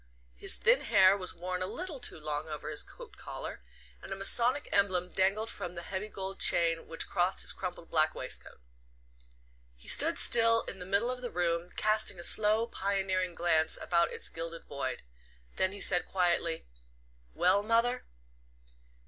His thin hair was worn a little too long over his coat collar, and a Masonic emblem dangled from the heavy gold chain which crossed his crumpled black waistcoat. He stood still in the middle of the room, casting a slow pioneering glance about its gilded void; then he said gently: "Well, mother?"